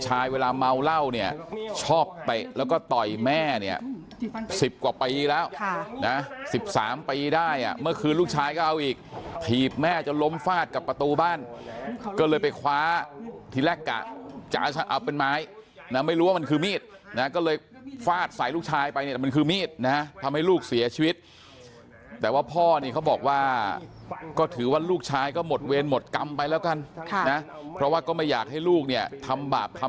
สามปีได้อ่ะเมื่อคืนลูกชายก็เอาอีกผีบแม่จะล้มฟาดกับประตูบ้านก็เลยไปคว้าทีแรกกะจะเอาเป็นไม้นะไม่รู้ว่ามันคือมีดนะก็เลยฟาดใส่ลูกชายไปเนี้ยมันคือมีดนะฮะทำให้ลูกเสียชีวิตแต่ว่าพ่อนี่เขาบอกว่าก็ถือว่าลูกชายก็หมดเวรหมดกรรมไปแล้วกันนะเพราะว่าก็ไม่อยากให้ลูกเนี้ยทำบาปท